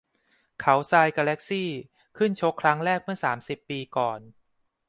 เขาทราย แกแล็คซี่ ขึ้นชกครั้งแรกเมื่อสามสิบปีก่อน